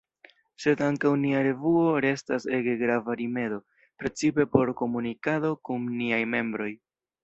Sed ankaŭ nia revuo restas ege grava rimedo, precipe por komunikado kun niaj membroj.